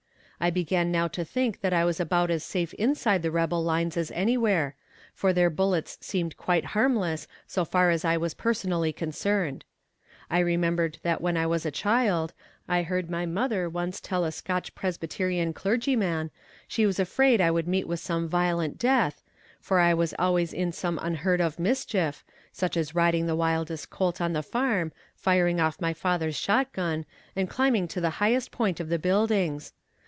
I began now to think that I was about as safe inside the rebel lines as anywhere, for their bullets seemed quite harmless so far as I was personally concerned. I remembered that when I was a child, I heard my mother once tell a Scotch Presbyterian clergyman she was afraid I would meet with some violent death, for I was always in some unheard of mischief, such as riding the wildest colt on the farm, firing off my father's shot gun, and climbing to the highest point of the buildings.